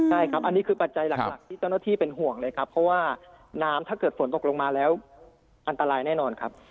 ใช่ครับอันนี้คือปัจจัยหลักที่เจ้าหน้าที่เป็นห่วงเลยครับเพราะว่าน้ำถ้าเกิดฝนตกลงมาแล้วอันตรายแน่นอนครับ